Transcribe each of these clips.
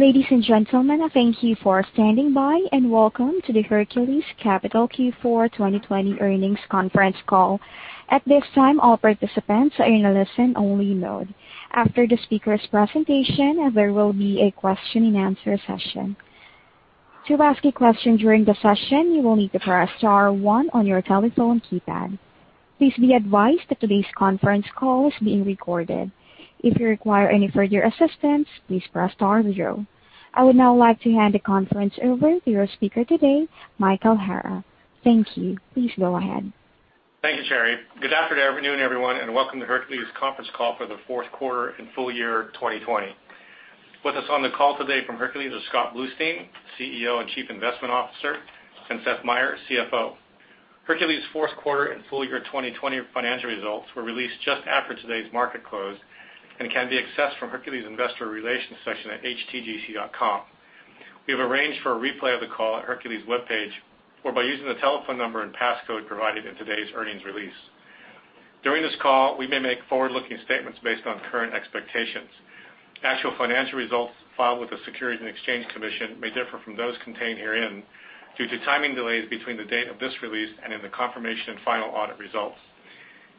Ladies and gentlemen, thank you for standing by, and welcome to the Hercules Capital Q4 2020 earnings conference call. At this time, all participants are in a listen-only mode. After the speaker's presentation, there will be a question-and-answer session. To ask a question during the session, you will need to press star one on your telephone keypad. Please be advised that today's conference call is being recorded. If you require any further assistance, please press star zero. I would now like to hand the conference over to your speaker today, Michael Hara. Thank you. Please go ahead. Thank you, Sherry. Good afternoon, everyone, and welcome to Hercules conference call for the fourth quarter and full year 2020. With us on the call today from Hercules are Scott Bluestein, CEO and Chief Investment Officer, and Seth Meyer, CFO. Hercules' fourth quarter and full year 2020 financial results were released just after today's market close and can be accessed from Hercules' investor relations section at htgc.com. We have arranged for a replay of the call at Hercules' webpage or by using the telephone number and passcode provided in today's earnings release. During this call, we may make forward-looking statements based on current expectations. Actual financial results filed with the Securities and Exchange Commission may differ from those contained herein due to timing delays between the date of this release and in the confirmation of final audit results.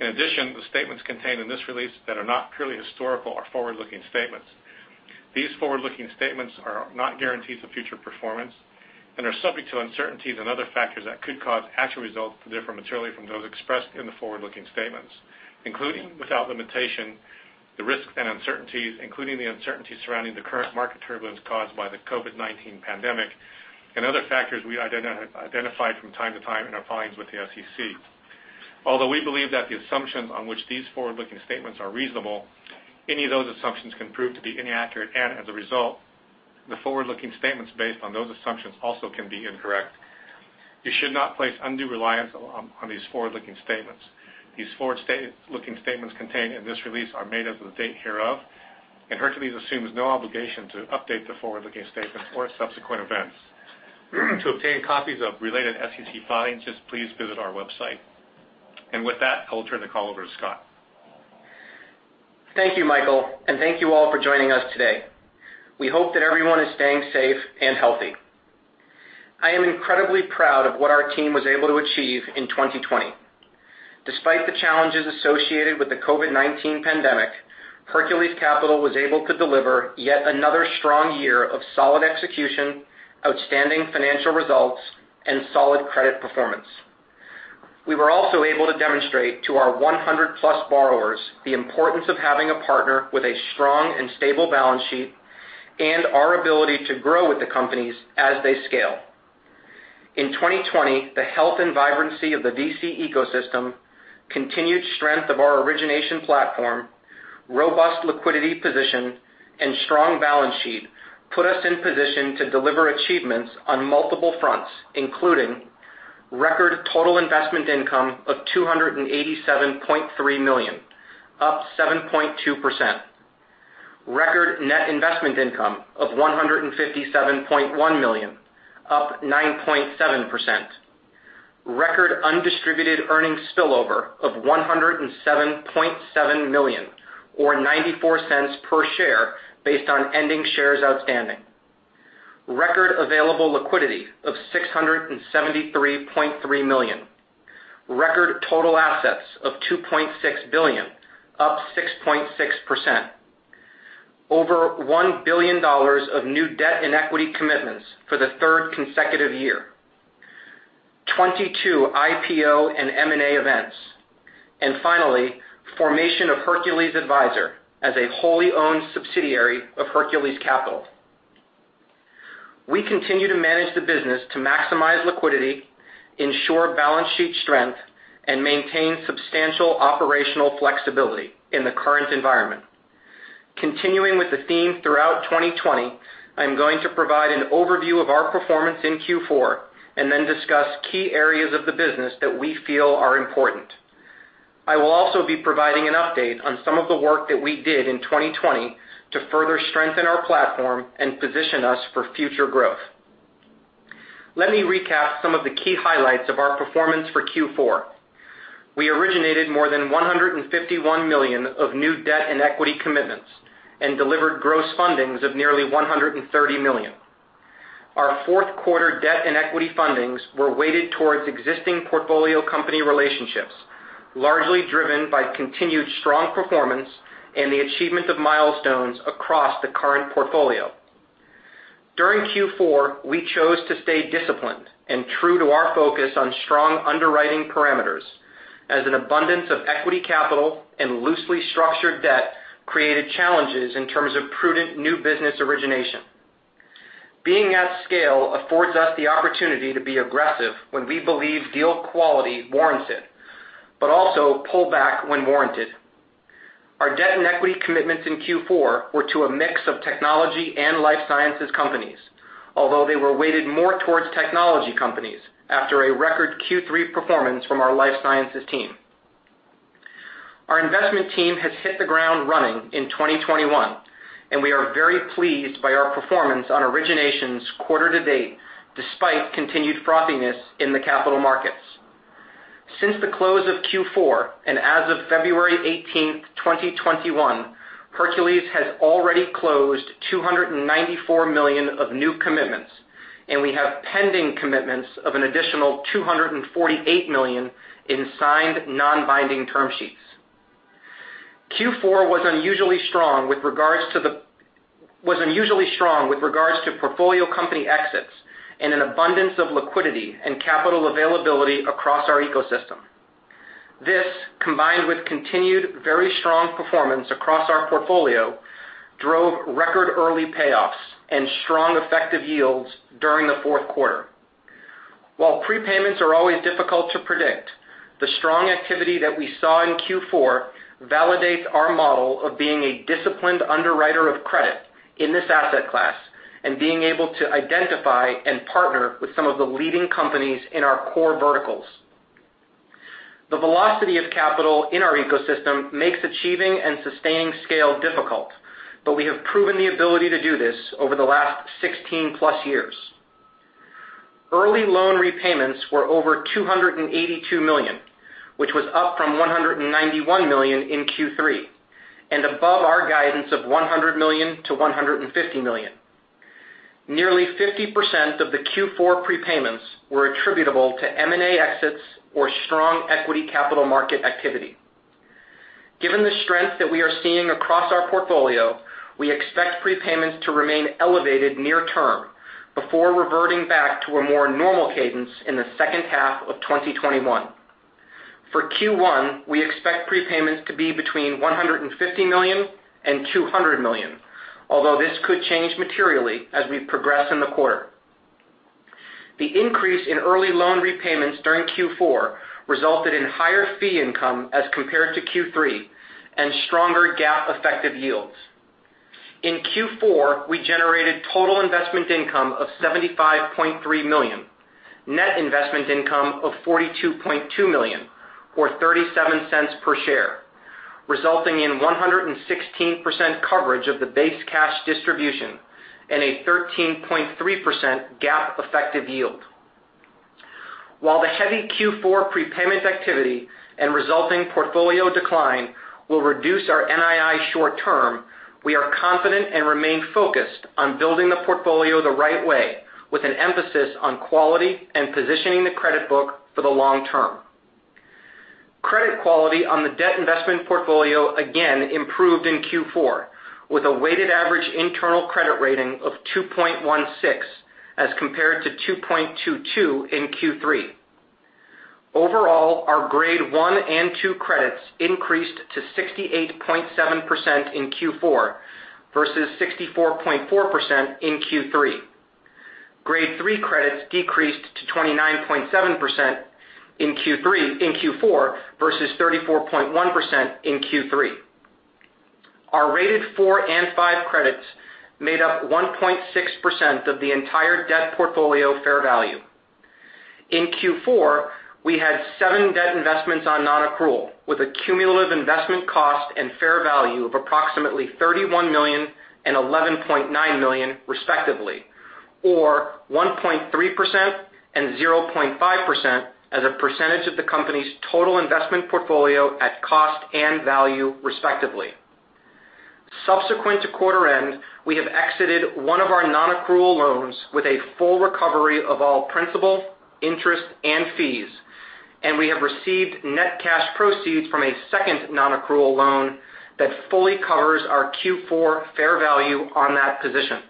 In addition, the statements contained in this release that are not purely historical are forward-looking statements. These forward-looking statements are not guarantees of future performance and are subject to uncertainties and other factors that could cause actual results to differ materially from those expressed in the forward-looking statements, including, without limitation, the risks and uncertainties, including the uncertainty surrounding the current market turbulence caused by the COVID-19 pandemic and other factors we identified from time to time in our filings with the SEC. Although we believe that the assumptions on which these forward-looking statements are reasonable, any of those assumptions can prove to be inaccurate, and as a result, the forward-looking statements based on those assumptions also can be incorrect. You should not place undue reliance on these forward-looking statements. These forward-looking statements contained in this release are made as of the date hereof, and Hercules assumes no obligation to update the forward-looking statements or subsequent events. To obtain copies of related SEC filings, just please visit our website. With that, I'll turn the call over to Scott. Thank you, Michael, and thank you all for joining us today. We hope that everyone is staying safe and healthy. I am incredibly proud of what our team was able to achieve in 2020. Despite the challenges associated with the COVID-19 pandemic, Hercules Capital was able to deliver yet another strong year of solid execution, outstanding financial results, and solid credit performance. We were also able to demonstrate to our 100-plus borrowers the importance of having a partner with a strong and stable balance sheet and our ability to grow with the companies as they scale. In 2020, the health and vibrancy of the VC ecosystem, continued strength of our origination platform, robust liquidity position, and strong balance sheet put us in position to deliver achievements on multiple fronts, including record total investment income of $287.3 million, up 7.2%. Record net investment income of $157.1 million, up 9.7%. Record undistributed earnings spillover of $107.7 million or $0.94 per share based on ending shares outstanding. Record available liquidity of $673.3 million. Record total assets of $2.6 billion, up 6.6%. Over $1 billion of new debt and equity commitments for the third consecutive year. 22 IPO and M&A events. Finally, formation of Hercules Advisor as a wholly-owned subsidiary of Hercules Capital. We continue to manage the business to maximize liquidity, ensure balance sheet strength, and maintain substantial operational flexibility in the current environment. Continuing with the theme throughout 2020, I'm going to provide an overview of our performance in Q4 and then discuss key areas of the business that we feel are important. I will also be providing an update on some of the work that we did in 2020 to further strengthen our platform and position us for future growth. Let me recap some of the key highlights of our performance for Q4. We originated more than $151 million of new debt and equity commitments and delivered gross fundings of nearly $130 million. Our fourth quarter debt and equity fundings were weighted towards existing portfolio company relationships, largely driven by continued strong performance and the achievement of milestones across the current portfolio. During Q4, we chose to stay disciplined and true to our focus on strong underwriting parameters as an abundance of equity capital and loosely structured debt created challenges in terms of prudent new business origination. Being at scale affords us the opportunity to be aggressive when we believe deal quality warrants it, but also pull back when warranted. Our debt and equity commitments in Q4 were to a mix of technology and life sciences companies, although they were weighted more towards technology companies after a record Q3 performance from our life sciences team. Our investment team has hit the ground running in 2021. We are very pleased by our performance on originations quarter to date, despite continued frothiness in the capital markets. Since the close of Q4, and as of February 18th, 2021, Hercules has already closed $294 million of new commitments, and we have pending commitments of an additional $248 million in signed, non-binding term sheets. Q4 was unusually strong with regards to portfolio company exits and an abundance of liquidity and capital availability across our ecosystem. This, combined with continued very strong performance across our portfolio, drove record early payoffs and strong effective yields during the fourth quarter. While prepayments are always difficult to predict, the strong activity that we saw in Q4 validates our model of being a disciplined underwriter of credit in this asset class and being able to identify and partner with some of the leading companies in our core verticals. The velocity of capital in our ecosystem makes achieving and sustaining scale difficult, but we have proven the ability to do this over the last 16-plus years. Early loan repayments were over $282 million, which was up from $191 million in Q3, and above our guidance of $100 million-$150 million. Nearly 50% of the Q4 prepayments were attributable to M&A exits or strong equity capital market activity. Given the strength that we are seeing across our portfolio, we expect prepayments to remain elevated near term before reverting back to a more normal cadence in the second half of 2021. For Q1, we expect prepayments to be between $150 million and $200 million, although this could change materially as we progress in the quarter. The increase in early loan repayments during Q4 resulted in higher fee income as compared to Q3 and stronger GAAP effective yields. In Q4, we generated total investment income of $75.3 million, net investment income of $42.2 million or $0.37 per share, resulting in 116% coverage of the base cash distribution and a 13.3% GAAP effective yield. While the heavy Q4 prepayment activity and resulting portfolio decline will reduce our NII short-term, we are confident and remain focused on building the portfolio the right way, with an emphasis on quality and positioning the credit book for the long term. Credit quality on the debt investment portfolio again improved in Q4, with a weighted average internal credit rating of 2.16 as compared to 2.22 in Q3. Overall, our Grade 1 and 2 credits increased to 68.7% in Q4 versus 64.4% in Q3. Grade 3 credits decreased to 29.7% in Q4 versus 34.1% in Q3. Our rated four and five credits made up 1.6% of the entire debt portfolio fair value. In Q4, we had seven debt investments on non-accrual, with a cumulative investment cost and fair value of approximately $31 million and $11.9 million respectively, or 1.3% and 0.5% as a percentage of the company's total investment portfolio at cost and value respectively. Subsequent to quarter end, we have exited one of our non-accrual loans with a full recovery of all principal, interest, and fees, and we have received net cash proceeds from a second non-accrual loan that fully covers our Q4 fair value on that position.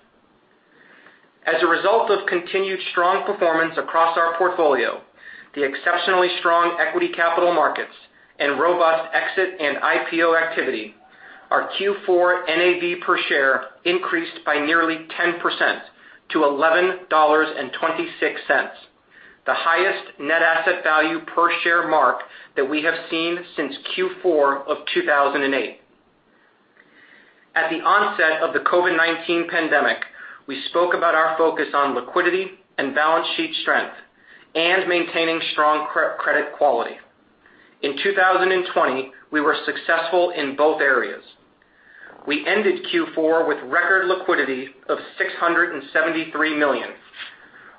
As a result of continued strong performance across our portfolio, the exceptionally strong equity capital markets, and robust exit and IPO activity, our Q4 NAV per share increased by nearly 10% to $11.26, the highest net asset value per share mark that we have seen since Q4 of 2008. At the onset of the COVID-19 pandemic, we spoke about our focus on liquidity and balance sheet strength and maintaining strong credit quality. In 2020, we were successful in both areas. We ended Q4 with record liquidity of $673 million,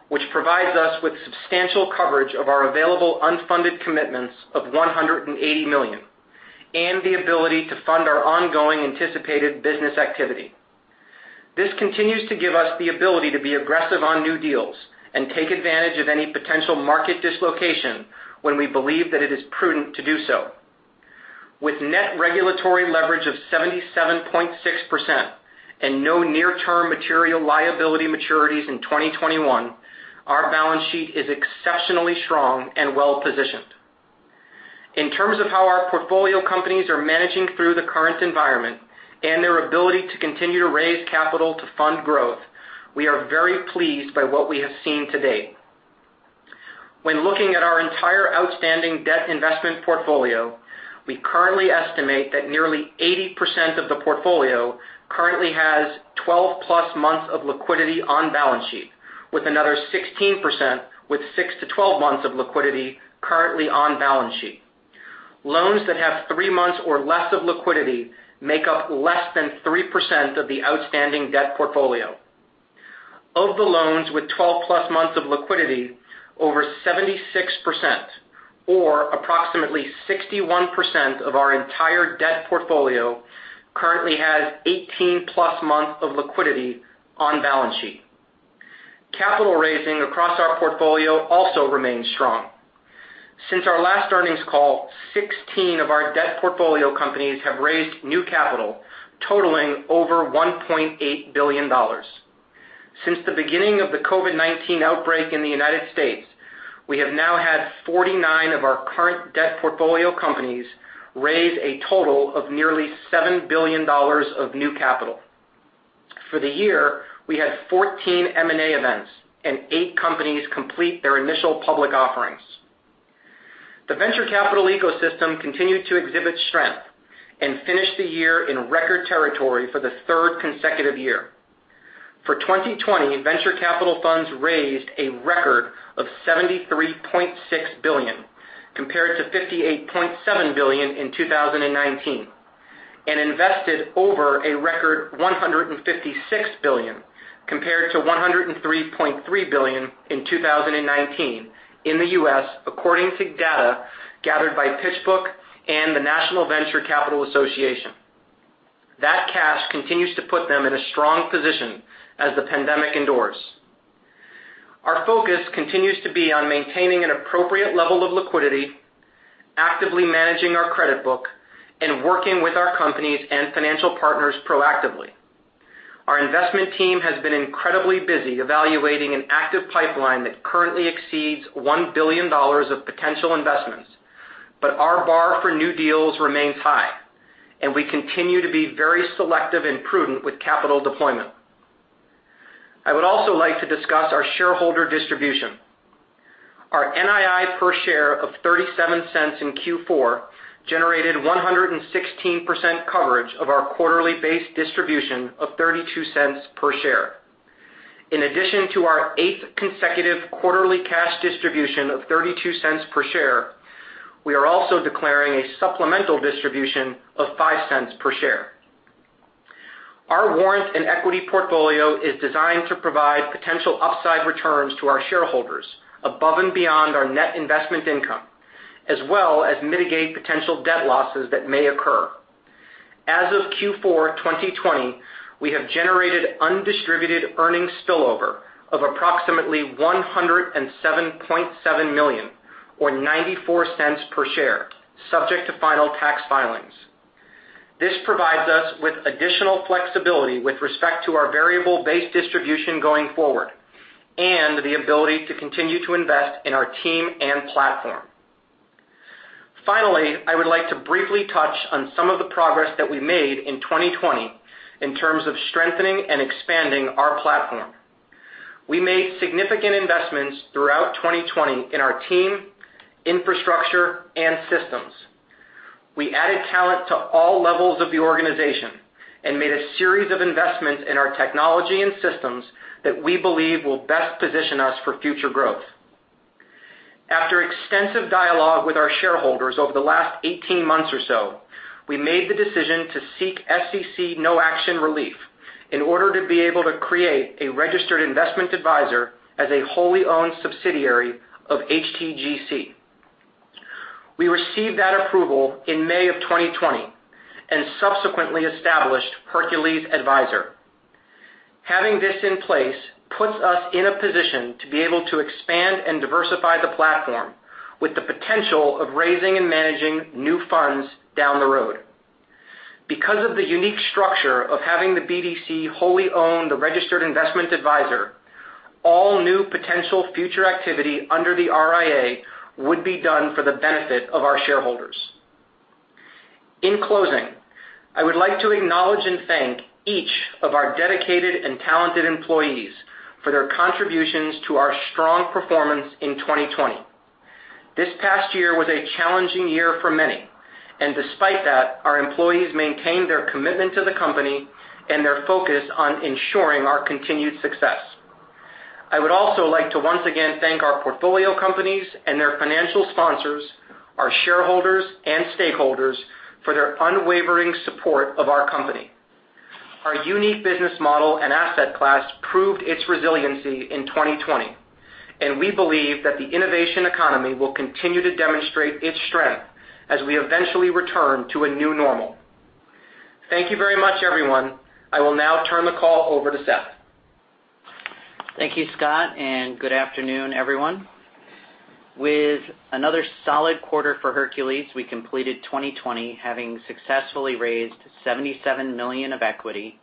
which provides us with substantial coverage of our available unfunded commitments of $180 million and the ability to fund our ongoing anticipated business activity. This continues to give us the ability to be aggressive on new deals and take advantage of any potential market dislocation when we believe that it is prudent to do so. With net regulatory leverage of 77.6% and no near-term material liability maturities in 2021, our balance sheet is exceptionally strong and well-positioned. In terms of how our portfolio companies are managing through the current environment and their ability to continue to raise capital to fund growth, we are very pleased by what we have seen to date. When looking at our entire outstanding debt investment portfolio, we currently estimate that nearly 80% of the portfolio currently has 12-plus months of liquidity on balance sheet, with another 16% with six to 12 months of liquidity currently on balance sheet. Loans that have three months or less of liquidity make up less than 3% of the outstanding debt portfolio. Of the loans with 12 plus months of liquidity, over 76%, or approximately 61% of our entire debt portfolio currently has 18 plus months of liquidity on balance sheet. Capital raising across our portfolio also remains strong. Since our last earnings call, 16 of our debt portfolio companies have raised new capital totaling over $1.8 billion. Since the beginning of the COVID-19 outbreak in the United States, we have now had 49 of our current debt portfolio companies raise a total of nearly $7 billion of new capital. For the year, we had 14 M&A events, and eight companies complete their initial public offerings. The venture capital ecosystem continued to exhibit strength, and finished the year in record territory for the third consecutive year. For 2020, venture capital funds raised a record of $73.6 billion, compared to $58.7 billion in 2019, and invested over a record $156 billion, compared to $103.3 billion in 2019 in the U.S., according to data gathered by PitchBook and the National Venture Capital Association. That cash continues to put them in a strong position as the pandemic endures. Our focus continues to be on maintaining an appropriate level of liquidity, actively managing our credit book, and working with our companies and financial partners proactively. Our investment team has been incredibly busy evaluating an active pipeline that currently exceeds $1 billion of potential investments, but our bar for new deals remains high, and we continue to be very selective and prudent with capital deployment. I would also like to discuss our shareholder distribution. Our NII per share of $0.37 in Q4 generated 116% coverage of our quarterly base distribution of $0.32 per share. In addition to our eighth consecutive quarterly cash distribution of $0.32 per share, we are also declaring a supplemental distribution of $0.05 per share. Our warrant and equity portfolio is designed to provide potential upside returns to our shareholders above and beyond our net investment income, as well as mitigate potential debt losses that may occur. As of Q4 2020, we have generated undistributed earnings spillover of approximately $107.7 million, or $0.94 per share, subject to final tax filings. This provides us with additional flexibility with respect to our variable base distribution going forward, and the ability to continue to invest in our team and platform. Finally, I would like to briefly touch on some of the progress that we made in 2020 in terms of strengthening and expanding our platform. We made significant investments throughout 2020 in our team, infrastructure, and systems. We added talent to all levels of the organization, and made a series of investments in our technology and systems that we believe will best position us for future growth. After extensive dialogue with our shareholders over the last 18 months or so, we made the decision to seek SEC no-action relief in order to be able to create a registered investment advisor as a wholly-owned subsidiary of HTGC. We received that approval in May of 2020, and subsequently established Hercules Advisor. Having this in place puts us in a position to be able to expand and diversify the platform with the potential of raising and managing new funds down the road. Because of the unique structure of having the BDC wholly own the registered investment advisor, all new potential future activity under the RIA would be done for the benefit of our shareholders. In closing, I would like to acknowledge and thank each of our dedicated and talented employees for their contributions to our strong performance in 2020. This past year was a challenging year for many, and despite that, our employees maintained their commitment to the company and their focus on ensuring our continued success. I would also like to once again thank our portfolio companies and their financial sponsors, our shareholders and stakeholders for their unwavering support of our company. Our unique business model and asset class proved its resiliency in 2020, and we believe that the innovation economy will continue to demonstrate its strength as we eventually return to a new normal. Thank you very much, everyone. I will now turn the call over to Seth. Thank you, Scott, and good afternoon, everyone. With another solid quarter for Hercules, we completed 2020 having successfully raised $77 million of equity,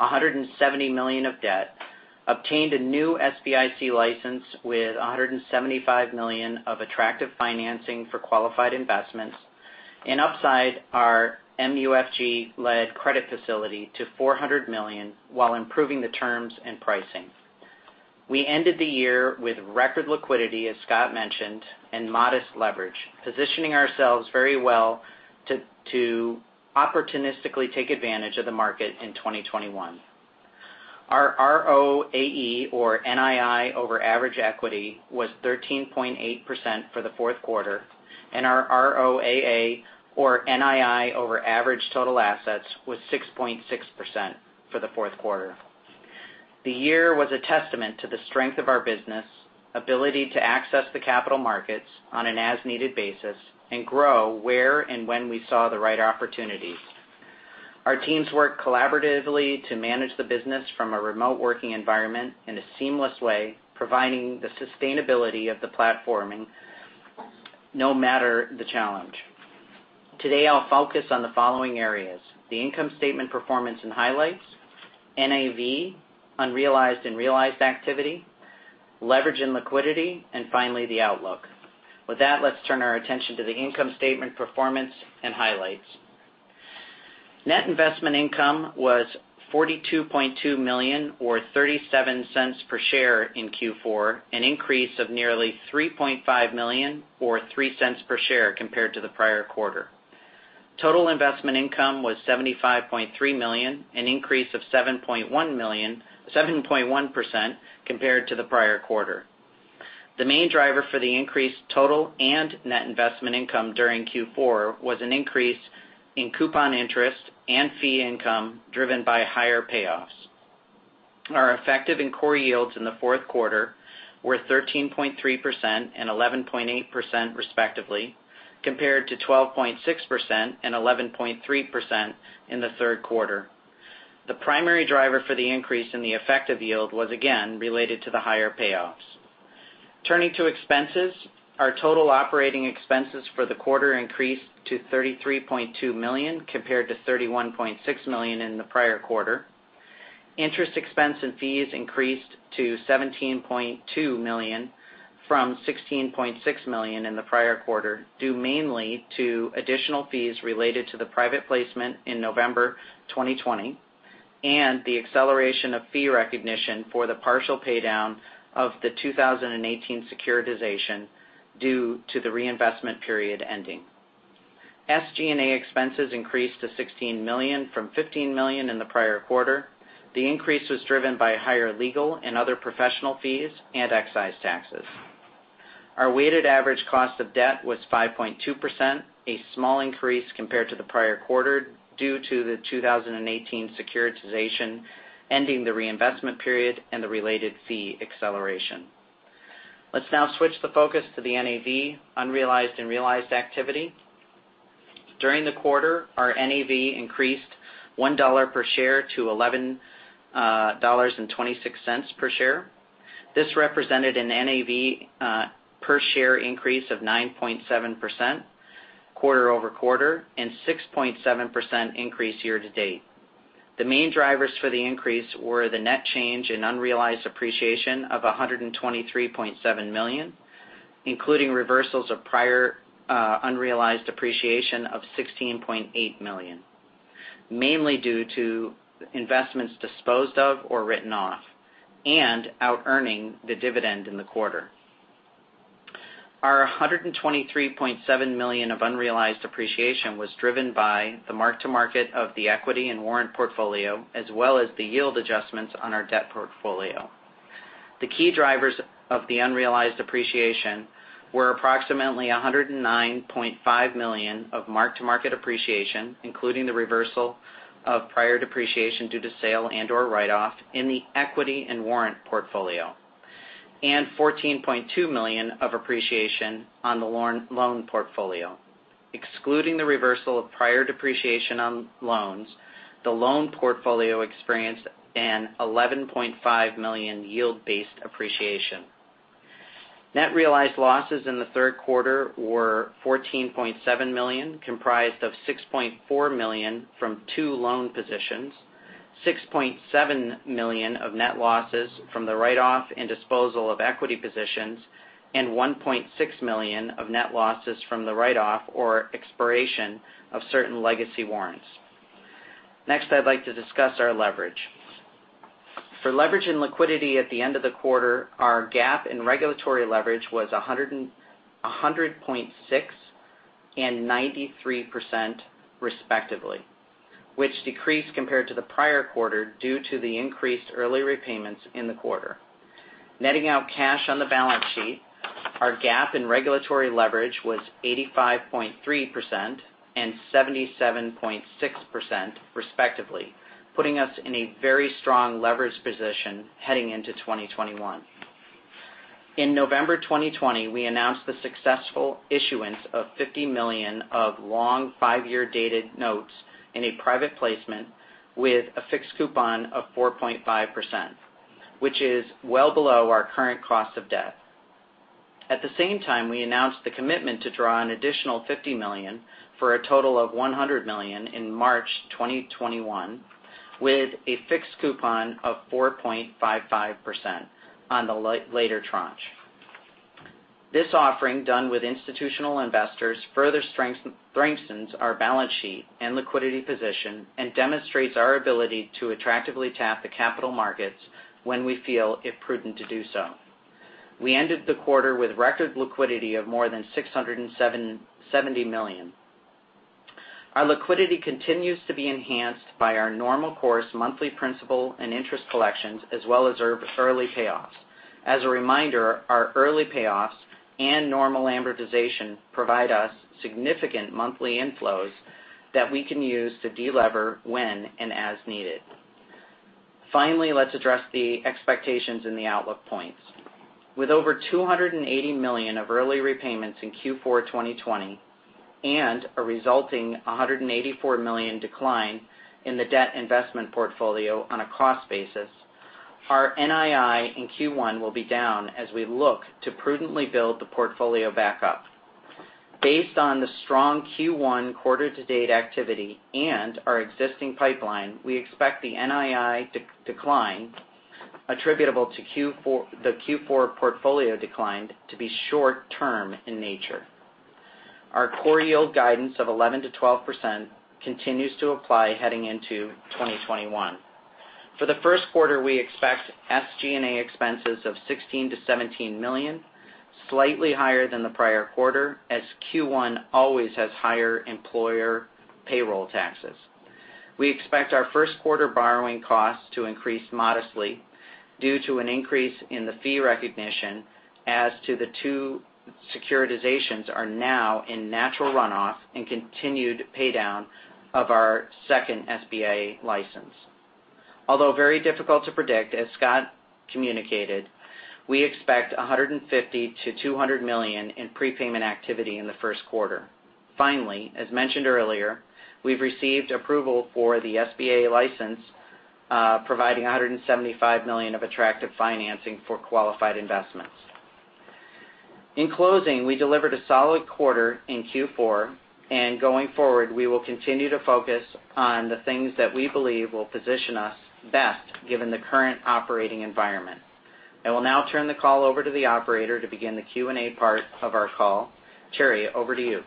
$170 million of debt, obtained a new SBIC license with $175 million of attractive financing for qualified investments, and upsized our MUFG-led credit facility to $400 million while improving the terms and pricing. We ended the year with record liquidity, as Scott mentioned, and modest leverage, positioning ourselves very well to opportunistically take advantage of the market in 2021. Our ROAE, or NII over average equity, was 13.8% for the fourth quarter. Our ROAA or NII over average total assets was 6.6% for the fourth quarter. The year was a testament to the strength of our business, ability to access the capital markets on an as-needed basis and grow where and when we saw the right opportunities. Our teams worked collaboratively to manage the business from a remote working environment in a seamless way, providing the sustainability of the platforming no matter the challenge. Today, I'll focus on the following areas: the income statement performance and highlights, NAV, unrealized and realized activity, leverage and liquidity, and finally, the outlook. With that, let's turn our attention to the income statement performance and highlights. Net investment income was $42.2 million or $0.37 per share in Q4, an increase of nearly $3.5 million or $0.03 per share compared to the prior quarter. Total investment income was $75.3 million, an increase of 7.1% compared to the prior quarter. The main driver for the increased total and net investment income during Q4 was an increase in coupon interest and fee income driven by higher payoffs. Our effective and core yields in the fourth quarter were 13.3% and 11.8%, respectively, compared to 12.6% and 11.3% in the third quarter. The primary driver for the increase in the effective yield was again related to the higher payoffs. Turning to expenses, our total operating expenses for the quarter increased to $33.2 million compared to $31.6 million in the prior quarter. Interest expense and fees increased to $17.2 million from $16.6 million in the prior quarter, due mainly to additional fees related to the private placement in November 2020 and the acceleration of fee recognition for the partial paydown of the 2018 securitization due to the reinvestment period ending. SG&A expenses increased to $16 million from $15 million in the prior quarter. The increase was driven by higher legal and other professional fees and excise taxes. Our weighted average cost of debt was 5.2%, a small increase compared to the prior quarter due to the 2018 securitization ending the reinvestment period and the related fee acceleration. Let's now switch the focus to the NAV unrealized and realized activity. During the quarter, our NAV increased $1 per share to $11.26 per share. This represented an NAV per share increase of 9.7% quarter-over-quarter and 6.7% increase year-to-date. The main drivers for the increase were the net change in unrealized appreciation of $123.7 million, including reversals of prior unrealized appreciation of $16.8 million, mainly due to investments disposed of or written off and out earning the dividend in the quarter. Our $123.7 million of unrealized appreciation was driven by the mark-to-market of the equity and warrant portfolio as well as the yield adjustments on our debt portfolio. The key drivers of the unrealized appreciation were approximately $109.5 million of mark-to-market appreciation, including the reversal of prior depreciation due to sale and/or write-off in the equity and warrant portfolio, and $14.2 million of appreciation on the loan portfolio. Excluding the reversal of prior depreciation on loans, the loan portfolio experienced an $11.5 million yield-based appreciation. Net realized losses in the third quarter were $14.7 million, comprised of $6.4 million from two loan positions, $6.7 million of net losses from the write-off and disposal of equity positions, and $1.6 million of net losses from the write-off or expiration of certain legacy warrants. I'd like to discuss our leverage. For leverage and liquidity at the end of the quarter, our GAAP and regulatory leverage was 100.6% and 93%, respectively, which decreased compared to the prior quarter due to the increased early repayments in the quarter. Netting out cash on the balance sheet, our GAAP and regulatory leverage was 85.3% and 77.6%, respectively, putting us in a very strong leverage position heading into 2021. In November 2020, we announced the successful issuance of $50 million of long five-year dated notes in a private placement with a fixed coupon of 4.5%, which is well below our current cost of debt. At the same time, we announced the commitment to draw an additional $50 million for a total of $100 million in March 2021 with a fixed coupon of 4.55% on the later tranche. This offering done with institutional investors further strengthens our balance sheet and liquidity position and demonstrates our ability to attractively tap the capital markets when we feel it prudent to do so. We ended the quarter with record liquidity of more than $670 million. Our liquidity continues to be enhanced by our normal course monthly principal and interest collections, as well as early payoffs. As a reminder, our early payoffs and normal amortization provide us significant monthly inflows that we can use to de-lever when and as needed. Let's address the expectations and the outlook points. With over $280 million of early repayments in Q4 2020 and a resulting $184 million decline in the debt investment portfolio on a cost basis, our NII in Q1 will be down as we look to prudently build the portfolio back up. Based on the strong Q1 quarter-to-date activity and our existing pipeline, we expect the NII decline attributable to the Q4 portfolio decline to be short-term in nature. Our core yield guidance of 11%-12% continues to apply heading into 2021. For the first quarter, we expect SG&A expenses of $16 million to $17 million, slightly higher than the prior quarter, as Q1 always has higher employer payroll taxes. We expect our first quarter borrowing costs to increase modestly due to an increase in the fee recognition, as the two securitizations are now in natural runoff and continued pay-down of our second SBA license. Although very difficult to predict, as Scott communicated, we expect $150 million to $200 million in prepayment activity in the first quarter. As mentioned earlier, we've received approval for the SBA license, providing $175 million of attractive financing for qualified investments. In closing, we delivered a solid quarter in Q4, and going forward, we will continue to focus on the things that we believe will position us best given the current operating environment. I will now turn the call over to the operator to begin the Q&A part of our call. Sherry, over to you.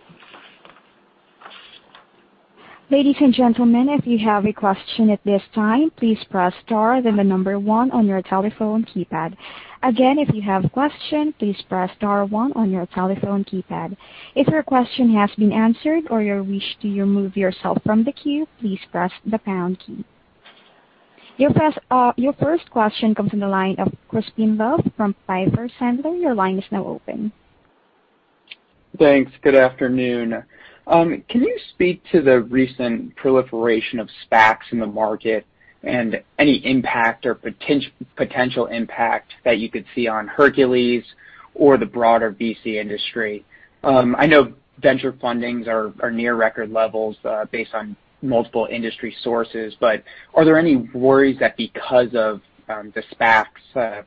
Ladies and gentlemen, if you have a question at this time, please press star then the number one on your telephone keypad. Again, if you have question, please press star one on your telephone keypad. If your question has been answered or you wish to remove yourself from the queue, please press the pound key. Your first question comes from the line of Crispin Love from Piper Sandler. Your line is now open. Thanks. Good afternoon. Can you speak to the recent proliferation of SPACs in the market and any impact or potential impact that you could see on Hercules or the broader VC industry? I know venture fundings are near record levels based on multiple industry sources. Are there any worries that because of the SPAC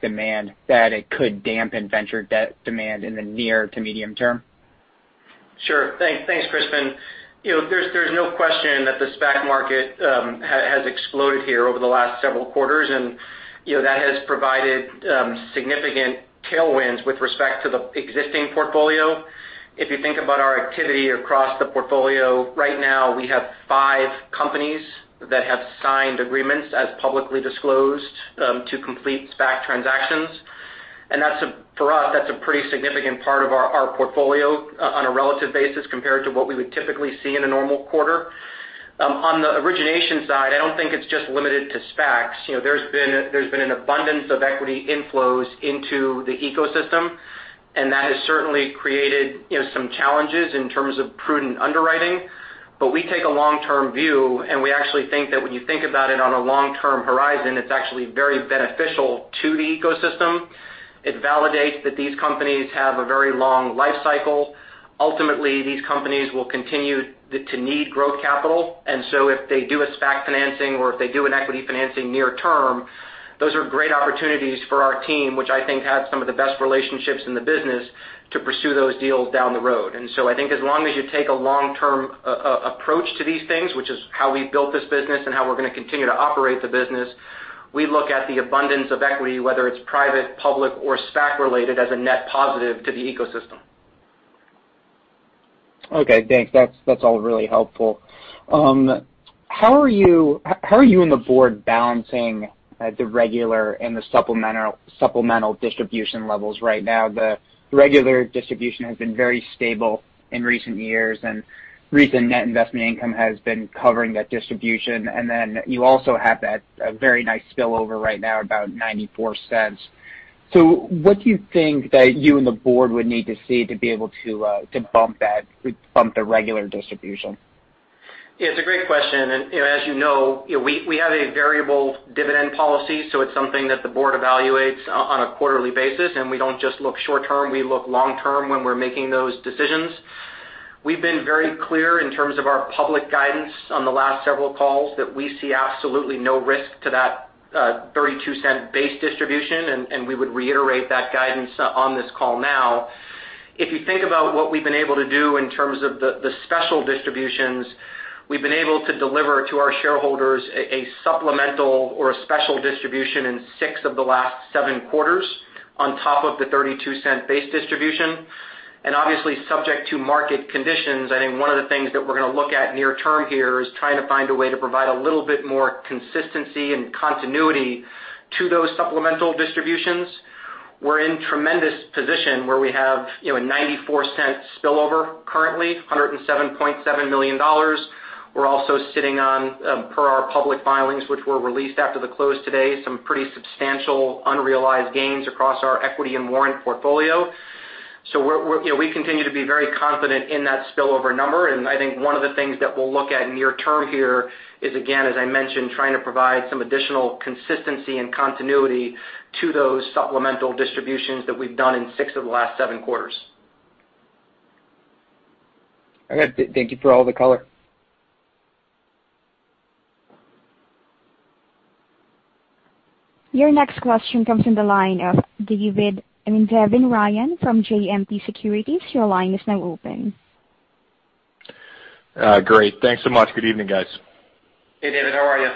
demand, that it could dampen venture debt demand in the near to medium term? Sure. Thanks, Crispin. There's no question that the SPAC market has exploded here over the last several quarters, and that has provided significant tailwinds with respect to the existing portfolio. If you think about our activity across the portfolio, right now, we have five companies that have signed agreements as publicly disclosed to complete SPAC transactions. For us, that's a pretty significant part of our portfolio on a relative basis compared to what we would typically see in a normal quarter. On the origination side, I don't think it's just limited to SPACs. There's been an abundance of equity inflows into the ecosystem, and that has certainly created some challenges in terms of prudent underwriting. We take a long-term view, and we actually think that when you think about it on a long-term horizon, it's actually very beneficial to the ecosystem. It validates that these companies have a very long life cycle. Ultimately, these companies will continue to need growth capital. If they do a SPAC financing or if they do an equity financing near term, those are great opportunities for our team, which I think has some of the best relationships in the business to pursue those deals down the road. I think as long as you take a long-term approach to these things, which is how we built this business and how we're going to continue to operate the business, we look at the abundance of equity, whether it's private, public, or SPAC related as a net positive to the ecosystem. Okay, thanks. That's all really helpful. How are you and the board balancing the regular and the supplemental distribution levels right now? The regular distribution has been very stable in recent years, and recent net investment income has been covering that distribution. You also have that very nice spillover right now, about $0.94. What do you think that you and the board would need to see to be able to bump the regular distribution? Yeah, it's a great question. As you know, we have a variable dividend policy. It's something that the board evaluates on a quarterly basis, and we don't just look short term, we look long term when we're making those decisions. We've been very clear in terms of our public guidance on the last several calls that we see absolutely no risk to that $0.32 base distribution, and we would reiterate that guidance on this call now. If you think about what we've been able to do in terms of the special distributions, we've been able to deliver to our shareholders a supplemental or a special distribution in six of the last seven quarters on top of the $0.32 base distribution. Obviously subject to market conditions, I think one of the things that we're going to look at near term here is trying to find a way to provide a little bit more consistency and continuity to those supplemental distributions. We're in tremendous position where we have a $0.94 spillover currently, $107.7 million. We're also sitting on, per our public filings, which were released after the close today, some pretty substantial unrealized gains across our equity and warrant portfolio. We continue to be very confident in that spillover number. I think one of the things that we'll look at near term here is, again, as I mentioned, trying to provide some additional consistency and continuity to those supplemental distributions that we've done in six of the last seven quarters. Okay. Thank you for all the color. Your next question comes from the line of I mean, Devin Ryan from JMP Securities. Your line is now open. Great. Thanks so much. Good evening, guys. Hey, Devin, how are you?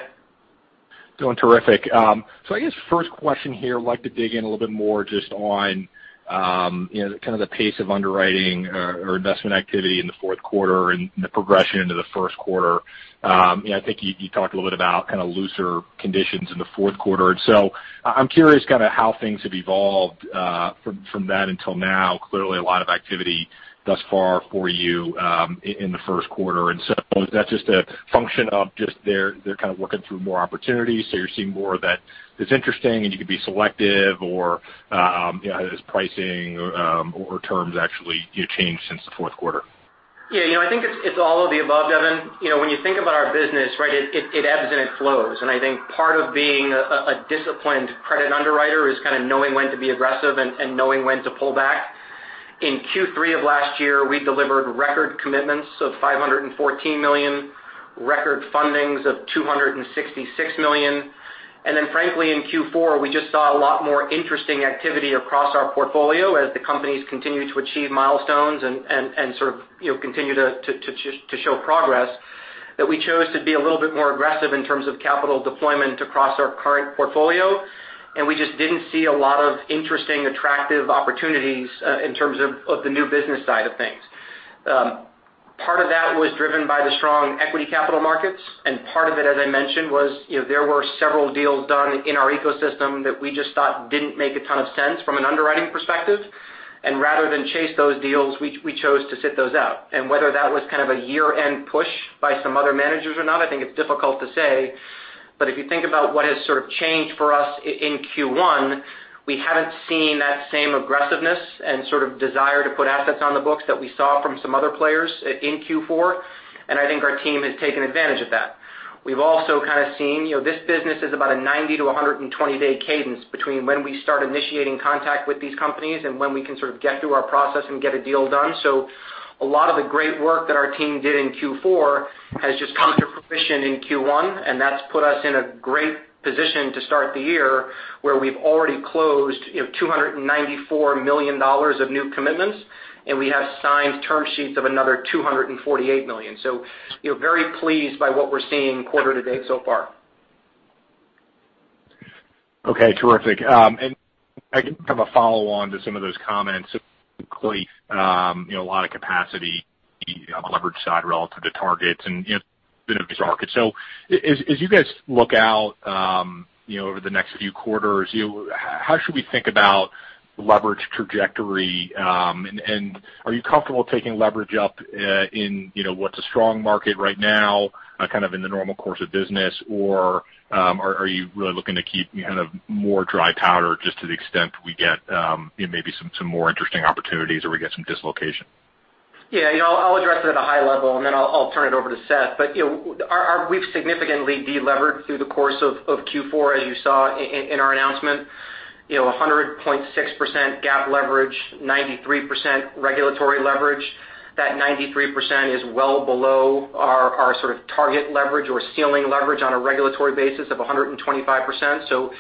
Doing terrific. I guess first question here, I'd like to dig in a little bit more just on kind of the pace of underwriting or investment activity in the fourth quarter and the progression into the first quarter. I think you talked a little bit about kind of looser conditions in the fourth quarter. I am curious kind of how things have evolved from that until now. Clearly, a lot of activity thus far for you in the first quarter. Is that just a function of just they're kind of working through more opportunities, so you're seeing more of that that's interesting and you can be selective or has pricing or terms actually changed since the fourth quarter? Yeah. I think it's all of the above, Devin. When you think about our business, right, it ebbs and it flows. I think part of being a disciplined credit underwriter is kind of knowing when to be aggressive and knowing when to pull back. In Q3 of last year, we delivered record commitments of $514 million, record fundings of $266 million. Frankly, in Q4, we just saw a lot more interesting activity across our portfolio as the companies continued to achieve milestones and sort of continue to show progress, that we chose to be a little bit more aggressive in terms of capital deployment across our current portfolio. We just didn't see a lot of interesting, attractive opportunities in terms of the new business side of things. Part of that was driven by the strong equity capital markets, part of it, as I mentioned, was there were several deals done in our ecosystem that we just thought didn't make a ton of sense from an underwriting perspective. Rather than chase those deals, we chose to sit those out. Whether that was kind of a year-end push by some other managers or not, I think it's difficult to say. If you think about what has sort of changed for us in Q1, we haven't seen that same aggressiveness and sort of desire to put assets on the books that we saw from some other players in Q4. I think our team has taken advantage of that. We've also kind of seen this business is about a 90- to 120-day cadence between when we start initiating contact with these companies and when we can sort of get through our process and get a deal done. A lot of the great work that our team did in Q4 has just come to fruition in Q1, and that's put us in a great position to start the year where we've already closed $294 million of new commitments, and we have signed term sheets of another $248 million. Very pleased by what we're seeing quarter to date so far. Okay, terrific. I have a follow-on to some of those comments. Clearly, a lot of capacity on the leverage side relative to targets and markets. As you guys look out over the next few quarters, how should we think about leverage trajectory? Are you comfortable taking leverage up in what's a strong market right now, kind of in the normal course of business, or are you really looking to keep kind of more dry powder just to the extent we get maybe some more interesting opportunities or we get some dislocation? Yeah. I'll address it at a high level, then I'll turn it over to Seth. We've significantly de-levered through the course of Q4, as you saw in our announcement. 100.6% GAAP leverage, 93% regulatory leverage. That 93% is well below our sort of target leverage or ceiling leverage on a regulatory basis of 125%.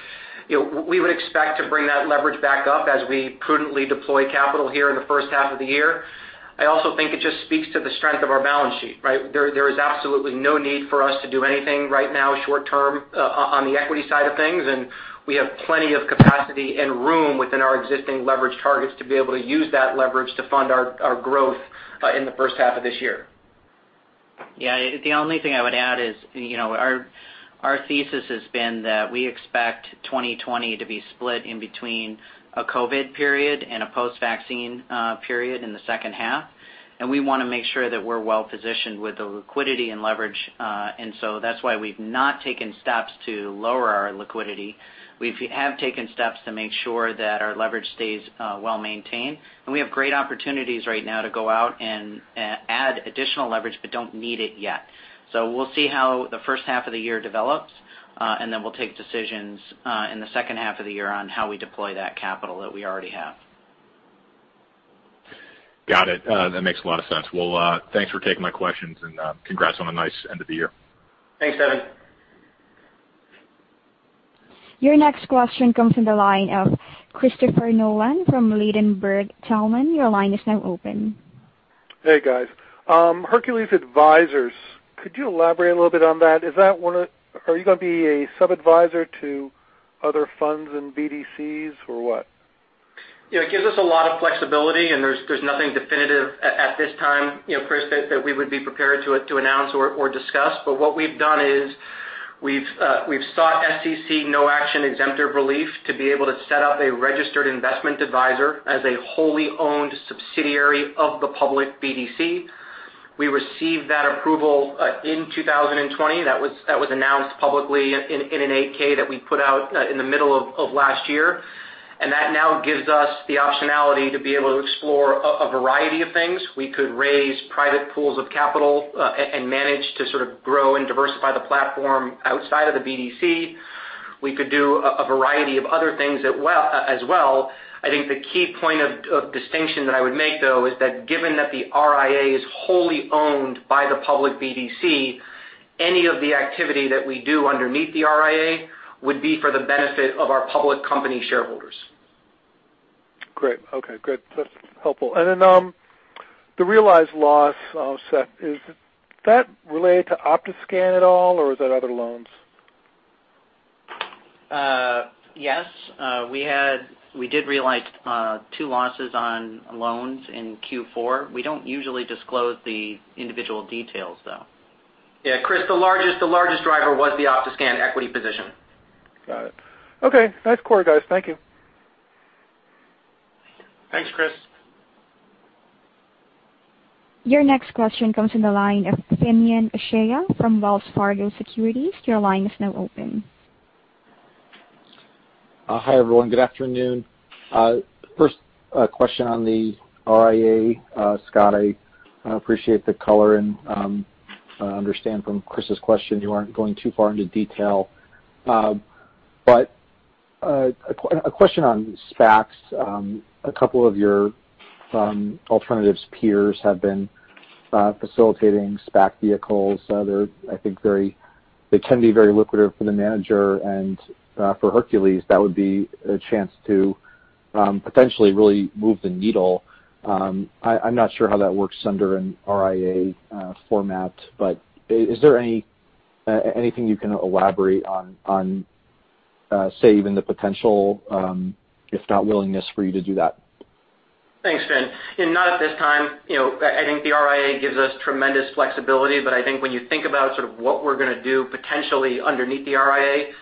We would expect to bring that leverage back up as we prudently deploy capital here in the first half of the year. I also think it just speaks to the strength of our balance sheet, right? There is absolutely no need for us to do anything right now short term on the equity side of things, and we have plenty of capacity and room within our existing leverage targets to be able to use that leverage to fund our growth in the first half of this year. Yeah. The only thing I would add is our thesis has been that we expect 2020 to be split in between a COVID period and a post-vaccine period in the second half. We want to make sure that we're well-positioned with the liquidity and leverage. That's why we've not taken steps to lower our liquidity. We have taken steps to make sure that our leverage stays well-maintained. We have great opportunities right now to go out and add additional leverage but don't need it yet. We'll see how the first half of the year develops. Then we'll take decisions in the second half of the year on how we deploy that capital that we already have. Got it. That makes a lot of sense. Thanks for taking my questions, and congrats on a nice end of the year. Thanks, Devin. Your next question comes from the line of Christopher Nolan from Ladenburg Thalmann. Your line is now open. Hey, guys. Hercules Advisors, could you elaborate a little bit on that? Are you going to be a sub-advisor to other funds and BDCs or what? It gives us a lot of flexibility. There's nothing definitive at this time, Chris, that we would be prepared to announce or discuss. What we've done is, we've sought SEC no-action exemptive relief to be able to set up a registered investment advisor as a wholly-owned subsidiary of the public BDC. We received that approval in 2020. That was announced publicly in an 8-K that we put out in the middle of last year. That now gives us the optionality to be able to explore a variety of things. We could raise private pools of capital and manage to sort of grow and diversify the platform outside of the BDC. We could do a variety of other things as well. I think the key point of distinction that I would make, though, is that given that the RIA is wholly owned by the public BDC, any of the activity that we do underneath the RIA would be for the benefit of our public company shareholders. Great. Okay, great. That's helpful. The realized loss, Seth, is that related to OptiScan at all, or is that other loans? Yes. We did realize two losses on loans in Q4. We don't usually disclose the individual details, though. Yeah, Chris, the largest driver was the OptiScan equity position. Got it. Okay. Nice quarter, guys. Thank you. Thanks, Chris. Your next question comes from the line of Finian O'Shea from Wells Fargo Securities, LLC. Your line is now open. Hi, everyone. Good afternoon. First question on the RIA. Scott, I appreciate the color and understand from Chris's question you aren't going too far into detail. A question on SPACs. A couple of your alternatives peers have been facilitating SPAC vehicles. They can be very lucrative for the manager, and for Hercules, that would be a chance to potentially really move the needle. I'm not sure how that works under an RIA format, but is there anything you can elaborate on, say, even the potential if not willingness for you to do that? Thanks, Finian. Not at this time. I think the RIA gives us tremendous flexibility, but I think when you think about sort of what we're going to do potentially underneath the RIA,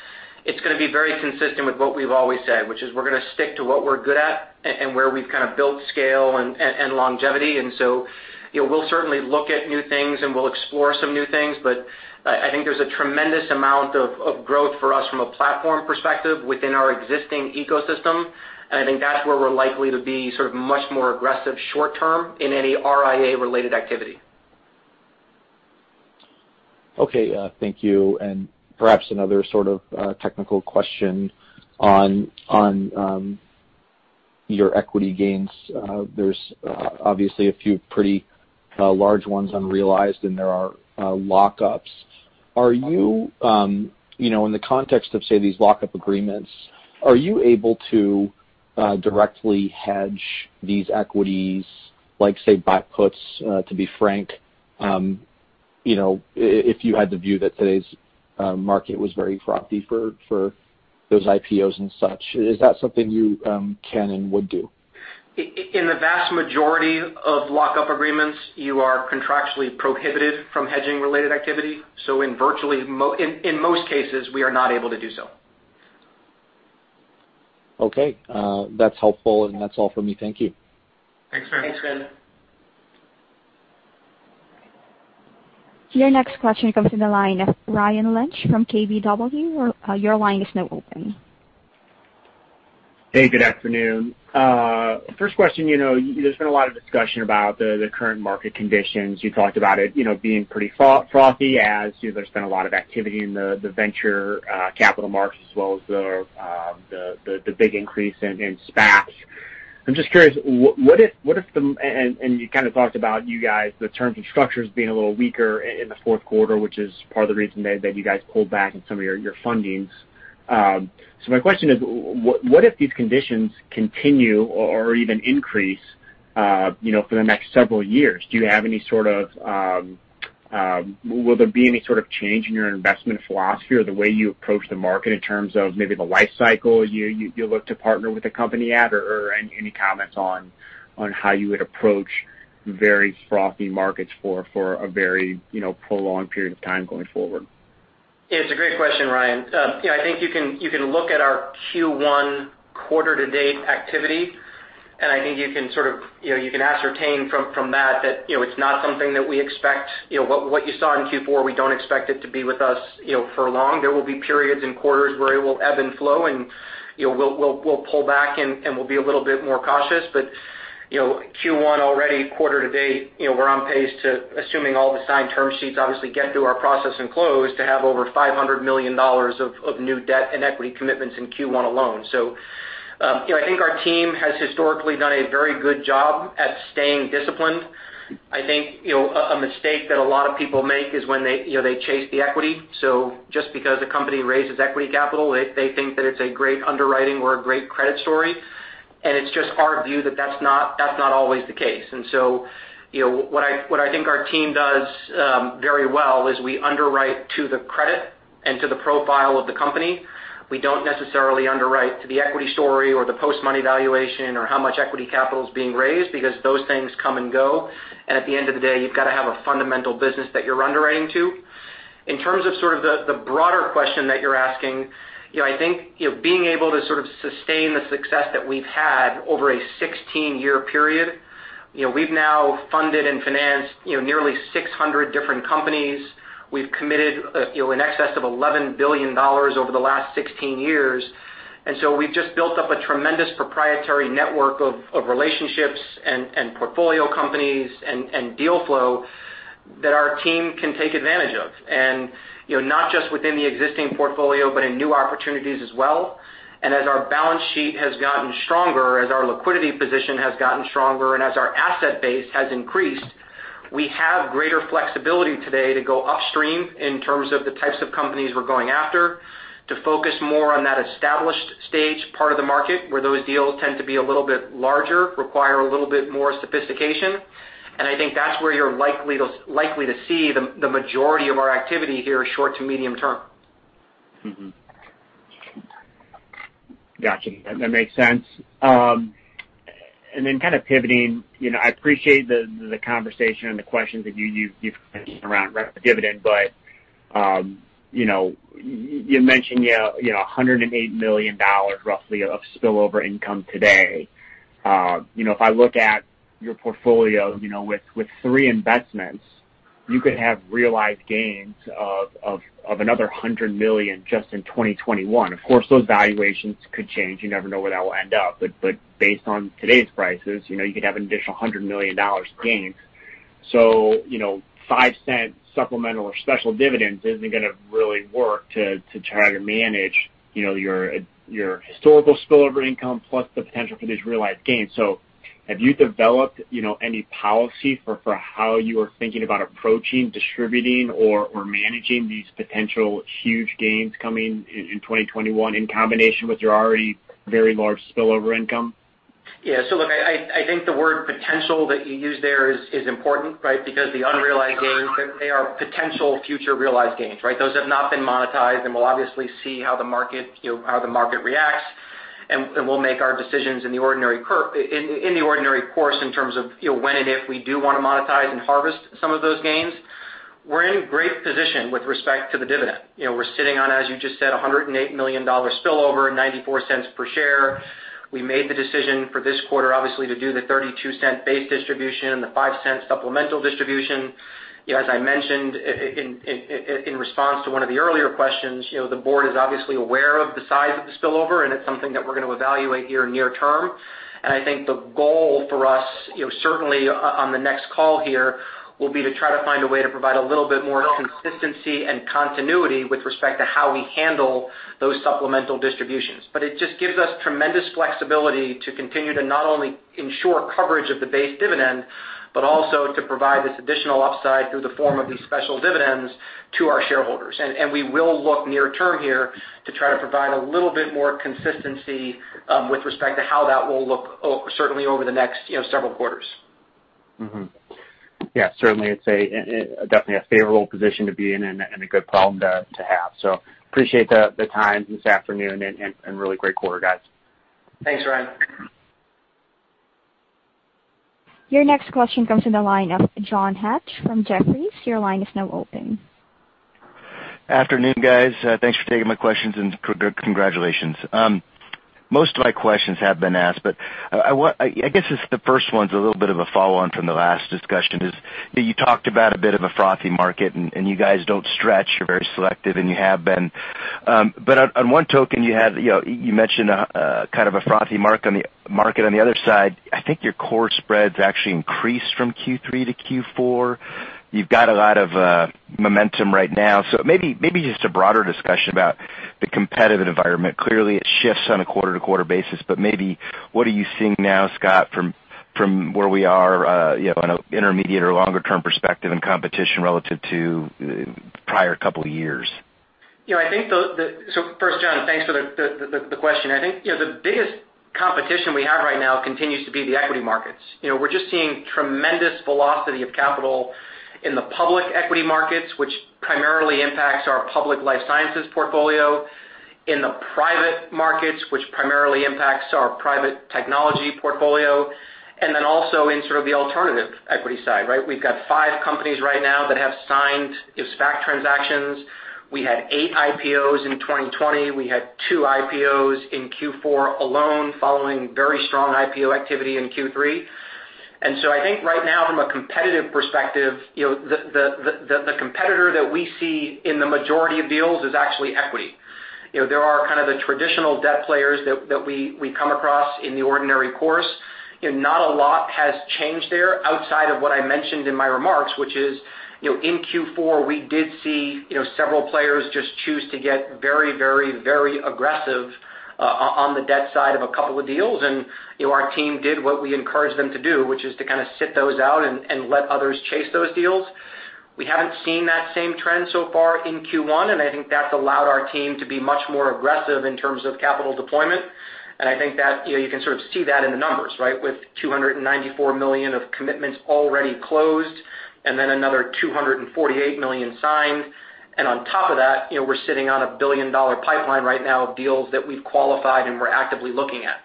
it's going to be very consistent with what we've always said, which is we're going to stick to what we're good at and where we've kind of built scale and longevity. We'll certainly look at new things and we'll explore some new things, but I think there's a tremendous amount of growth for us from a platform perspective within our existing ecosystem. I think that's where we're likely to be sort of much more aggressive short-term in any RIA-related activity. Okay. Thank you. Perhaps another sort of technical question on your equity gains. There's obviously a few pretty large ones unrealized, and there are lockups. In the context of, say, these lockup agreements, are you able to directly hedge these equities, like, say, buy puts, to be frank if you had the view that today's market was very frothy for those IPOs and such? Is that something you can and would do? In the vast majority of lockup agreements, you are contractually prohibited from hedging-related activity. In most cases, we are not able to do so. Okay. That's helpful, and that's all for me. Thank you. Thanks, Finian. Thanks, Finian. Your next question comes from the line of Ryan Lynch from KBW. Your line is now open. Hey, good afternoon. First question. There's been a lot of discussion about the current market conditions. You talked about it being pretty frothy as there's been a lot of activity in the venture capital markets as well as the big increase in SPACs. I'm just curious, and you kind of talked about you guys, the terms and structures being a little weaker in the fourth quarter, which is part of the reason that you guys pulled back on some of your fundings. My question is, what if these conditions continue or even increase for the next several years? Will there be any sort of change in your investment philosophy or the way you approach the market in terms of maybe the life cycle you look to partner with a company at? Any comments on how you would approach very frothy markets for a very prolonged period of time going forward? It's a great question, Ryan. I think you can look at our Q1 quarter to date activity, and I think you can ascertain from that, what you saw in Q4, we don't expect it to be with us for long. There will be periods and quarters where it will ebb and flow, and we'll pull back and we'll be a little bit more cautious. Q1 already, quarter to date, we're on pace to, assuming all the signed term sheets obviously get through our process and close, to have over $500 million of new debt and equity commitments in Q1 alone. I think our team has historically done a very good job at staying disciplined. I think a mistake that a lot of people make is when they chase the equity. Just because a company raises equity capital, they think that it's a great underwriting or a great credit story. It's just our view that that's not always the case. What I think our team does very well is we underwrite to the credit and to the profile of the company. We don't necessarily underwrite to the equity story or the post-money valuation or how much equity capital is being raised, because those things come and go, and at the end of the day, you've got to have a fundamental business that you're underwriting to. In terms of the broader question that you're asking, I think being able to sustain the success that we've had over a 16-year period, we've now funded and financed nearly 600 different companies. We've committed in excess of $11 billion over the last 16 years. We've just built up a tremendous proprietary network of relationships and portfolio companies and deal flow that our team can take advantage of. Not just within the existing portfolio, but in new opportunities as well. As our balance sheet has gotten stronger, as our liquidity position has gotten stronger, and as our asset base has increased, we have greater flexibility today to go upstream in terms of the types of companies we're going after, to focus more on that established stage part of the market where those deals tend to be a little bit larger, require a little bit more sophistication. I think that's where you're likely to see the majority of our activity here short to medium term. Got you. That makes sense. Kind of pivoting, I appreciate the conversation and the questions that you've mentioned around dividend, you mentioned $108 million roughly of spillover income today. If I look at your portfolio with three investments, you could have realized gains of another $100 million just in 2021. Of course, those valuations could change. You never know where that will end up, based on today's prices, you could have an additional $100 million gains. $0.05 supplemental or special dividends isn't going to really work to try to manage your historical spillover income plus the potential for these realized gains. Have you developed any policy for how you are thinking about approaching distributing or managing these potential huge gains coming in 2021 in combination with your already very large spillover income? Yeah. Look, I think the word potential that you used there is important, right? Because the unrealized gains, they are potential future realized gains, right? Those have not been monetized, and we'll obviously see how the market reacts, and we'll make our decisions in the ordinary course in terms of when and if we do want to monetize and harvest some of those gains. We're in great position with respect to the dividend. We're sitting on, as you just said, $108 million spillover, $0.94 per share. We made the decision for this quarter, obviously, to do the $0.32 base distribution and the $0.05 supplemental distribution. As I mentioned in response to one of the earlier questions, the board is obviously aware of the size of the spillover, and it's something that we're going to evaluate here near term. I think the goal for us, certainly on the next call here, will be to try to find a way to provide a little bit more consistency and continuity with respect to how we handle those supplemental distributions. It just gives us tremendous flexibility to continue to not only ensure coverage of the base dividend, but also to provide this additional upsized through the form of these special dividends to our shareholders. We will look near term here to try to provide a little bit more consistency with respect to how that will look certainly over the next several quarters. Yeah, certainly it's definitely a favorable position to be in and a good problem to have. Appreciate the time this afternoon and really great quarter, guys. Thanks, Ryan. Your next question comes in the line of John Hecht from Jefferies. Your line is now open. Afternoon, guys. Thanks for taking my questions, and congratulations. Most of my questions have been asked, I guess the first one's a little bit of a follow-on from the last discussion is that you talked about a bit of a frothy market, and you guys don't stretch. You're very selective, and you have been. On one token, you mentioned kind of a frothy market on the other side. I think your core spreads actually increased from Q3 to Q4. You've got a lot of momentum right now. Maybe just a broader discussion about the competitive environment. Clearly, it shifts on a quarter-to-quarter basis, maybe what are you seeing now, Scott, from where we are on an intermediate or longer term perspective and competition relative to the prior couple of years? First, John, thanks for the question. I think the biggest competition we have right now continues to be the equity markets. We're just seeing tremendous velocity of capital in the public equity markets, which primarily impacts our public life sciences portfolio. In the private markets, which primarily impacts our private technology portfolio, and then also in sort of the alternative equity side, right? We've got five companies right now that have signed SPAC transactions. We had eight IPOs in 2020. We had two IPOs in Q4 alone, following very strong IPO activity in Q3. I think right now from a competitive perspective, the competitor that we see in the majority of deals is actually equity. There are kind of the traditional debt players that we come across in the ordinary course. Not a lot has changed there outside of what I mentioned in my remarks, which is in Q4, we did see several players just choose to get very aggressive on the debt side of a couple of deals, and our team did what we encouraged them to do, which is to kind of sit those out and let others chase those deals. We haven't seen that same trend so far in Q1, and I think that's allowed our team to be much more aggressive in terms of capital deployment. I think that you can sort of see that in the numbers, right? With $294 million of commitments already closed, and then another $248 million signed. On top of that, we're sitting on a billion-dollar pipeline right now of deals that we've qualified and we're actively looking at.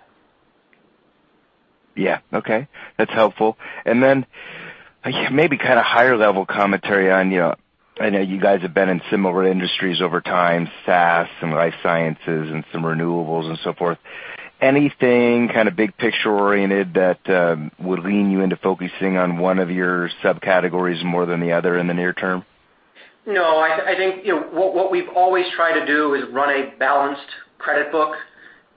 Yeah. Okay. That's helpful. Maybe kind of higher-level commentary on, I know you guys have been in similar industries over time, SaaS, some life sciences, and some renewables and so forth. Anything kind of big picture-oriented that would lean you into focusing on one of your subcategories more than the other in the near term? I think what we've always tried to do is run a balanced credit book,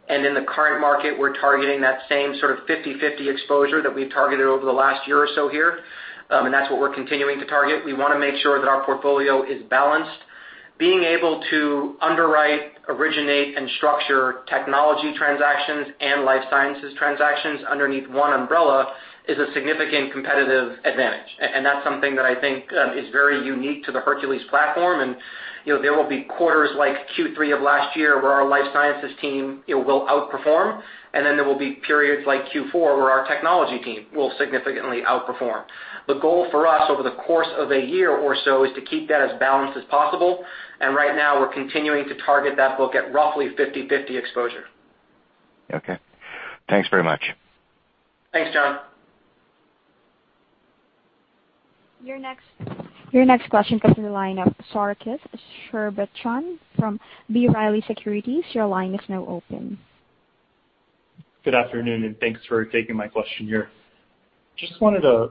and in the current market, we're targeting that same sort of 50/50 exposure that we've targeted over the last year or so here. That's what we're continuing to target. We want to make sure that our portfolio is balanced. Being able to underwrite, originate, and structure technology transactions and life sciences transactions underneath one umbrella is a significant competitive advantage. That's something that I think is very unique to the Hercules platform. There will be quarters like Q3 of last year where our life sciences team will outperform, and then there will be periods like Q4 where our technology team will significantly outperform. The goal for us over the course of a year or so is to keep that as balanced as possible. Right now, we're continuing to target that book at roughly 50/50 exposure. Okay. Thanks very much. Thanks, John. Your next question comes from the line of Sarkis Sherbetchyan from B. Riley Securities. Your line is now open. Good afternoon. Thanks for taking my question here. Just wanted to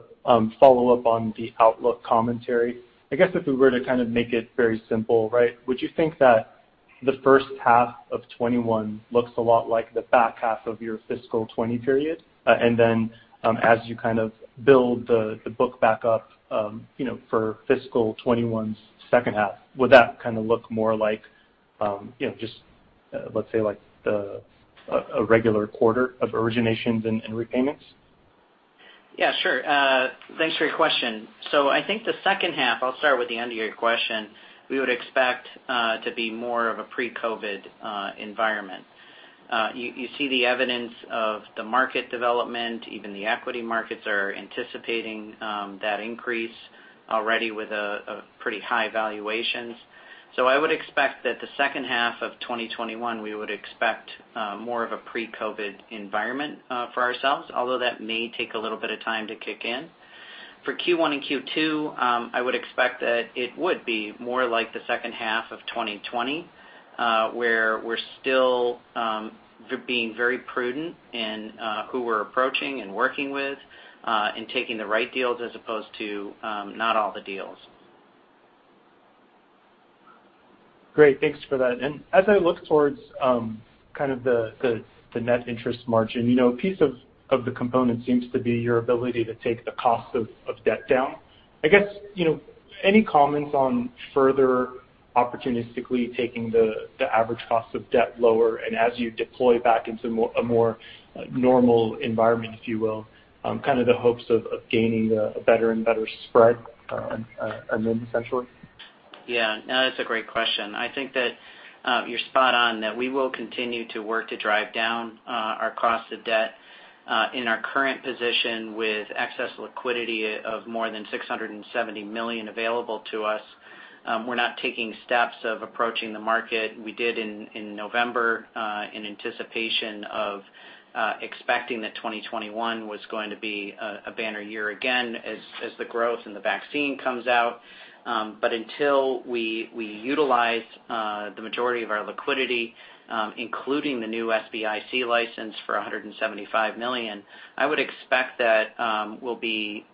follow up on the outlook commentary. I guess if we were to kind of make it very simple, would you think that the first half of 2021 looks a lot like the back half of your fiscal 2020 period? As you kind of build the book back up for fiscal 2021's second half, would that kind of look more like, let's say a regular quarter of originations and repayments? Yeah, sure. Thanks for your question. I think the second half, I'll start with the end of your question, we would expect to be more of a pre-COVID environment. You see the evidence of the market development. Even the equity markets are anticipating that increase already with pretty high valuations. I would expect that the second half of 2021, we would expect more of a pre-COVID environment for ourselves, although that may take a little bit of time to kick in. For Q1 and Q2, I would expect that it would be more like the second half of 2020, where we're still being very prudent in who we're approaching and working with, and taking the right deals as opposed to not all the deals. Great. Thanks for that. As I look towards kind of the net interest margin, a piece of the component seems to be your ability to take the cost of debt down. I guess, any comments on further opportunistically taking the average cost of debt lower, and as you deploy back into a more normal environment, if you will, kind of the hopes of gaining a better and better spread NIM, essentially? Yeah, no, that's a great question. I think that you're spot on, that we will continue to work to drive down our cost of debt. In our current position with excess liquidity of more than $670 million available to us, we're not taking steps of approaching the market. We did in November, in anticipation of expecting that 2021 was going to be a banner year again as the growth and the vaccine comes out. Until we utilize the majority of our liquidity, including the new SBIC license for $175 million, I would expect that we'll be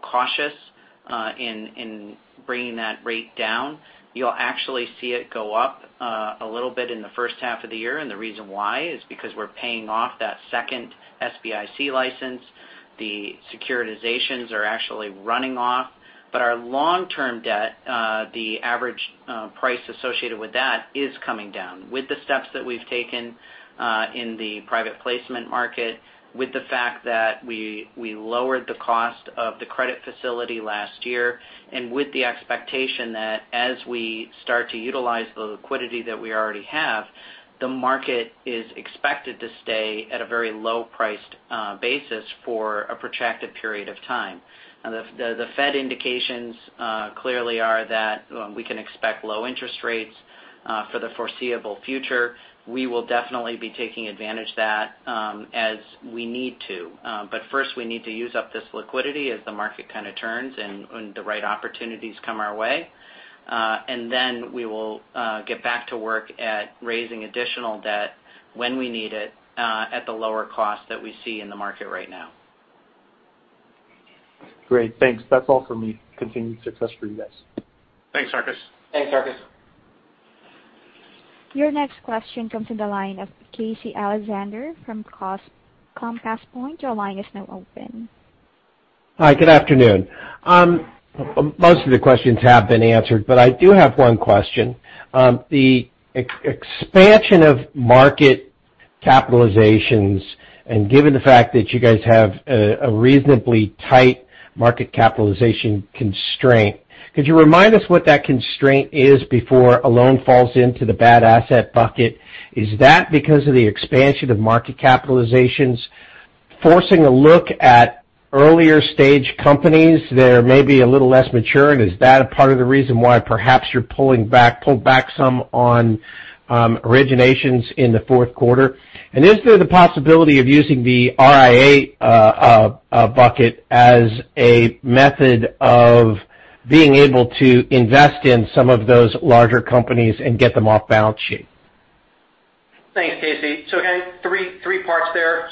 cautious in bringing that rate down. You'll actually see it go up a little bit in the first half of the year. The reason why is because we're paying off that second SBIC license. The securitizations are actually running off. Our long-term debt, the average price associated with that is coming down. With the steps that we've taken in the private placement market, with the fact that we lowered the cost of the credit facility last year, and with the expectation that as we start to utilize the liquidity that we already have, the market is expected to stay at a very low-priced basis for a protracted period of time. The Fed indications clearly are that we can expect low interest rates for the foreseeable future. We will definitely be taking advantage of that as we need to. First, we need to use up this liquidity as the market kind of turns and the right opportunities come our way. We will get back to work at raising additional debt when we need it at the lower cost that we see in the market right now. Great. Thanks. That's all for me. Continued success for you guys. Thanks, Sarkis. Thanks, Sarkis. Your next question comes from the line of Casey Alexander from Compass Point. Your line is now open. Hi, good afternoon. Most of the questions have been answered. I do have one question. The expansion of market capitalizations, and given the fact that you guys have a reasonably tight market capitalization constraint, could you remind us what that constraint is before a loan falls into the bad asset bucket? Is that because of the expansion of market capitalizations, forcing a look at earlier stage companies that are maybe a little less mature, and is that a part of the reason why perhaps you're pulled back some on originations in the fourth quarter? Is there the possibility of using the RIA bucket as a method of being able to invest in some of those larger companies and get them off balance sheet? Thanks, Casey. Again, three parts there.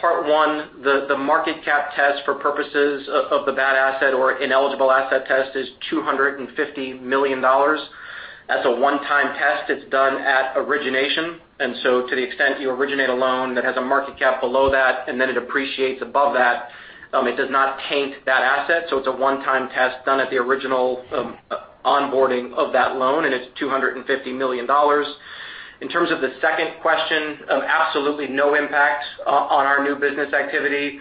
Part one, the market cap test for purposes of the bad asset or ineligible asset test is $250 million. That's a one-time test. It's done at origination. To the extent you originate a loan that has a market cap below that and then it appreciates above that, it does not taint that asset. It's a one-time test done at the original onboarding of that loan, and it's $250 million. In terms of the second question, absolutely no impact on our new business activity.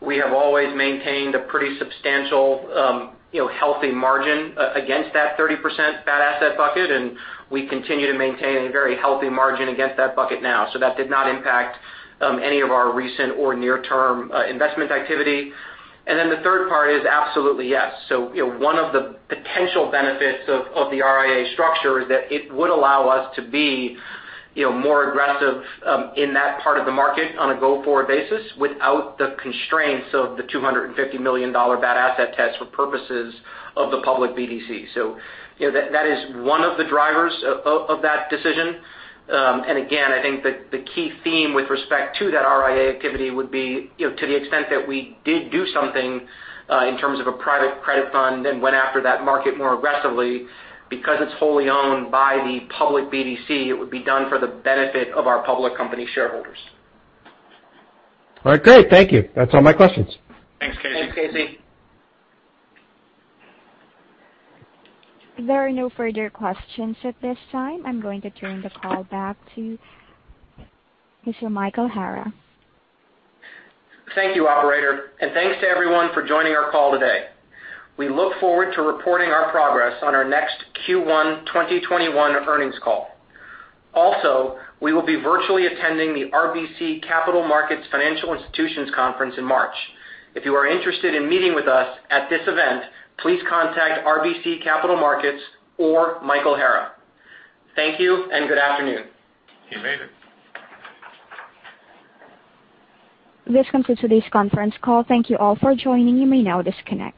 We have always maintained a pretty substantial, healthy margin against that 30% bad asset bucket, and we continue to maintain a very healthy margin against that bucket now. That did not impact any of our recent or near-term investment activity. The third part is absolutely yes. One of the potential benefits of the RIA structure is that it would allow us to be more aggressive in that part of the market on a go-forward basis without the constraints of the $250 million bad asset test for purposes of the public BDC. I think the key theme with respect to that RIA activity would be, to the extent that we did do something, in terms of a private credit fund, then went after that market more aggressively because it is wholly owned by the public BDC, it would be done for the benefit of our public company shareholders. All right, great. Thank you. That's all my questions. Thanks, Casey. Thanks, Casey. There are no further questions at this time. I'm going to turn the call back to Mr. Michael Hara. Thank you, operator, and thanks to everyone for joining our call today. We look forward to reporting our progress on our next Q1 2021 earnings call. We will be virtually attending the RBC Capital Markets Financial Institutions Conference in March. If you are interested in meeting with us at this event, please contact RBC Capital Markets or Michael Hara. Thank you and good afternoon. You made it. This concludes today's conference call. Thank you all for joining. You may now disconnect.